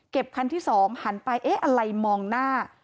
เก็บคันที่สองหันไปเอ๊ะอะไรมองหน้า